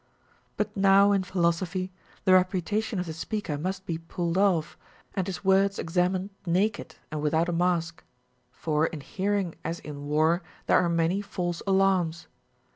But now in philosophy the reputation of the speaker must be pulled off, and his words examined naked and Λvithout a mask ; for in hearing as in war there are many false alarms.